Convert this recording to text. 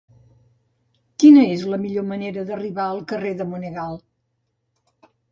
Quina és la millor manera d'arribar al carrer de Monegal?